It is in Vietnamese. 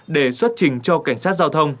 để xuất trình cho cảnh sát giao thông